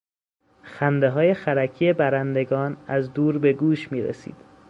خندههای خرکی برندگان از دور به گوش میرسید.